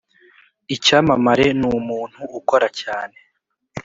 icyamamare numuntu ukora cyane